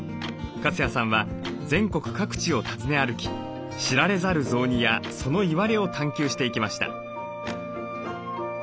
粕谷さんは全国各地を訪ね歩き知られざる雑煮やそのいわれを探求していきました。